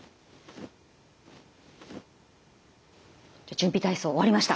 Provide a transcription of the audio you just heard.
準備体操終わりました。